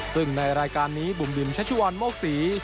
ซึ่งในรายการนี้บุ๋มบิมชัชวัลโมกศรี